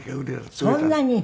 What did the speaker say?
そんなに？